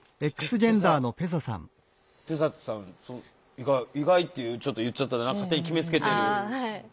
意外意外っていうちょっと言っちゃったら勝手に決めつけてる。